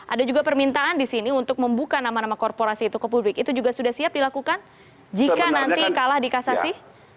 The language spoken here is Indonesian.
ada juga permintaan di sini untuk membuka nama nama korporasi itu ke publik itu juga sudah siap dilakukan jika nanti kalah di kasasi